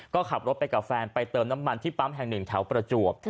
ก็ขับรถไปกับแฟนไปเติมน้ำมันที่ปั๊มแห่งหนึ่งแถวประจวบ